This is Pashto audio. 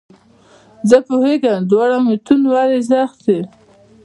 زه پوهېږم دواړه متون ولې سخت دي.